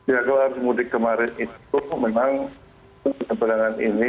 ya kalau arus mudik kemarin itu memang